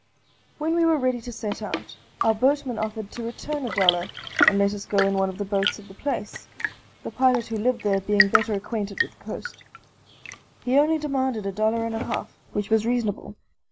When we were ready to set out, our boatman offered to return a dollar and let us go in one of the boats of the place, the pilot who lived there being better acquainted with the coast. He only demanded a dollar and a half, which was reasonable.